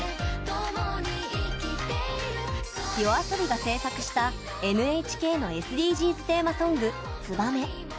ＹＯＡＳＯＢＩが制作したＮＨＫのＳＤＧｓテーマソング「ツバメ」。